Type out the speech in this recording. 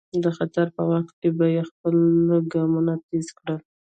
د خطر په وخت کې به یې خپل ګامونه تېز کړل.